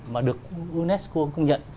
mà được unesco công nhận